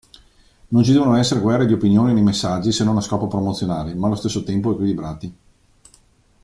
Non ci devono essere guerre di opinione nei messaggi se non a scopo promozionale ma allo stesso tempo equilibrati.